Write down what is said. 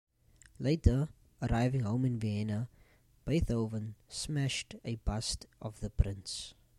Later, arriving home in Vienna, Beethoven smashed a bust of the Prince.